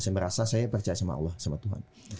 saya merasa saya percaya sama allah sama tuhan